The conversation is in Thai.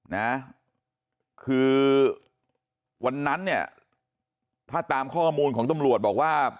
นะคือวันนั้นเนี่ยถ้าตามข้อมูลของตำรวจบอกว่า